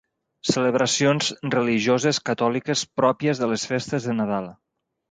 Celebracions religioses catòliques pròpies de les festes de Nadal.